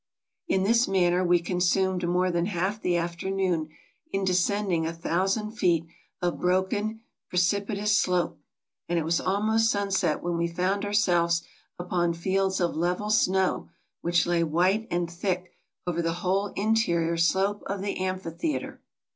In this manner we consumed more than half the afternoon in descending a thousand feet of broken, precipitous slope ; and it was almost sunset when we found ourselves upon fields of level snow which lay white and thick over the whole interior slope of the amphitheater.